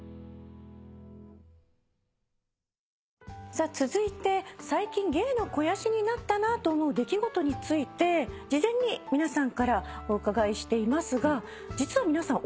さあ続いて最近芸の肥やしになったなと思う出来事について事前に皆さんからお伺いしていますが実は皆さん